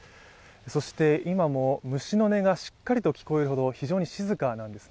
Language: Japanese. そして、今も虫の音がしっかりと聞こえるほど非常に静かなんです。